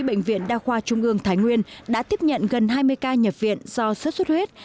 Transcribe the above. bệnh viện đa khoa trung ương thái nguyên đã tiếp nhận gần hai mươi ca nhập viện do xuất xuất huyết